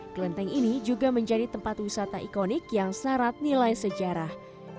kelenteng ini juga menjadi tempat wisata ikonik yang syarat nilai sejarah